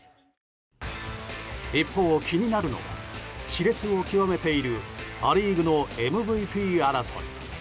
一方、気になるのが熾烈を極めているア・リーグのＭＶＰ争い。